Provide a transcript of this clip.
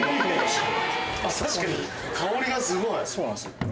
・確かに香りがすごい・そうなんですよ。